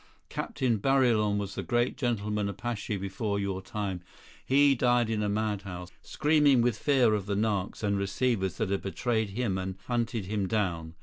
Captain Barillon was the great gentleman apache before your time; he died in a madhouse, screaming with fear of the "narks" and receivers that had betrayed him and hunted him down.